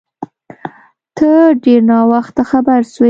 ته ډیر ناوخته خبر سوی